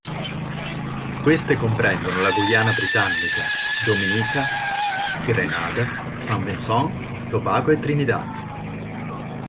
Queste comprendono la Guyana britannica, Dominica, Grenada, Saint Vincent, Tobago e Trinidad.